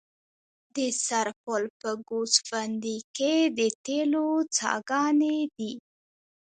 د سرپل په ګوسفندي کې د تیلو څاګانې دي.